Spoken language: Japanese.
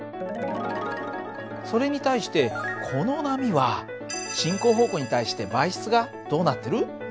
それに対してこの波は進行方向に対して媒質がどうなってる？